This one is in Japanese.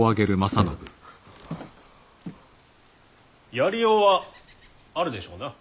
やりようはあるでしょうな。